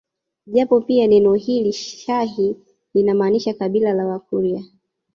Japo pia neno hili shahi linamaanisha kabila la Wakurya